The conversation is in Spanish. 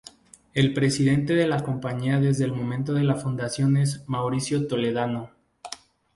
El presidente de la compañía, desde el momento de la fundación, es Mauricio Toledano.